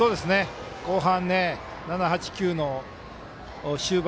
後半７、８、９の終盤